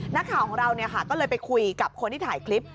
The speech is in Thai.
นักข่าวของเราก็เลยไปคุยกับคนที่ถ่ายคลิป